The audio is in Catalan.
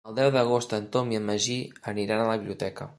El deu d'agost en Tom i en Magí aniran a la biblioteca.